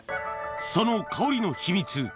その香りの秘密